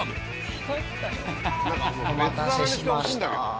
お待たせしました。